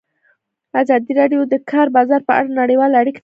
ازادي راډیو د د کار بازار په اړه نړیوالې اړیکې تشریح کړي.